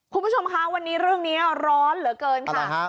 คุณผู้ชมคะวันนี้เรื่องนี้ร้อนเหลือเกินค่ะ